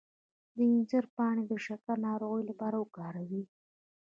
د انځر پاڼې د شکر د ناروغۍ لپاره وکاروئ